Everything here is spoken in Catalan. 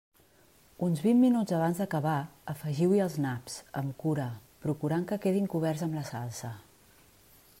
Uns vint minuts abans d'acabar, afegiu-hi els naps, amb cura, procurant que quedin coberts amb la salsa.